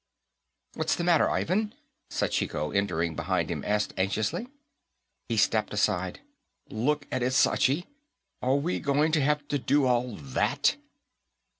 _" "What's the matter, Ivan?" Sachiko, entering behind him, asked anxiously. He stepped aside. "Look at it, Sachi! Are we going to have to do all that?"